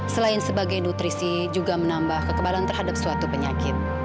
selain sebagai nutrisi juga menambah kekebalan terhadap suatu penyakit